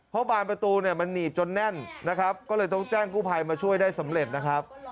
เพราะบานประตูเนี่ยมันหนีบจนแน่นนะครับก็เลยต้องแจ้งกู้ภัยมาช่วยได้สำเร็จนะครับ